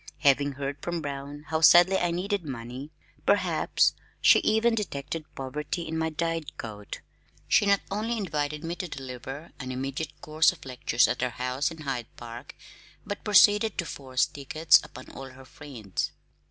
Having heard from Brown how sadly I needed money perhaps she even detected poverty in my dyed coat, she not only invited me to deliver an immediate course of lectures at her house in Hyde Park but proceeded to force tickets upon all her friends.